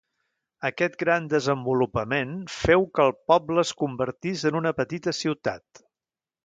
Aquest gran desenvolupament féu que el poble es convertís en una petita ciutat.